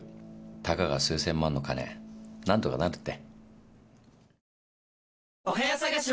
たかが数千万の金何とかなるって。